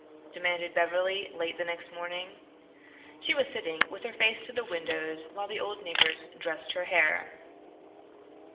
demanded Beverly late the next morning. She was sitting with her face to the windows while the old negress dressed her hair.